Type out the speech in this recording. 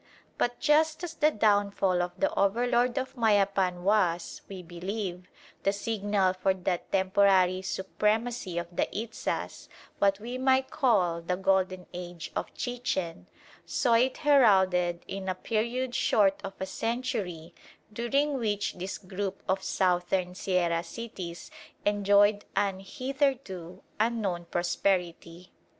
But just as the downfall of the overlord of Mayapan was, we believe, the signal for that temporary supremacy of the Itzas, what we might call "the golden age" of Chichen, so it heralded in a period short of a century during which this group of Southern Sierra cities enjoyed an hitherto unknown prosperity.